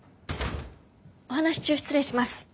お話し中失礼します。